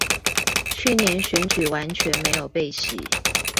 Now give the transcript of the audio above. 去年選舉完全沒有被洗